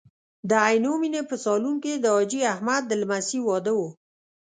د عینومېنې په سالون کې د حاجي احمد د لمسۍ واده و.